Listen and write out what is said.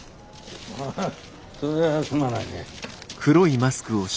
ああそりゃすまないね。